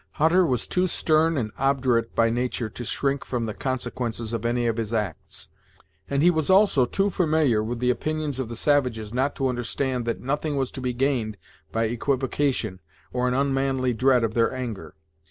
Hutter was too stern and obdurate by nature to shrink from the consequences of any of his acts, and he was also too familiar with the opinions of the savages not to understand that nothing was to be gained by equivocation or an unmanly dread of their anger.